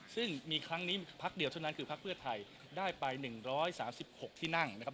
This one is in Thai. ซึ่งมีครั้งนี้พักเดียวเท่านั้นคือพักเพื่อไทยได้ไป๑๓๖ที่นั่งนะครับ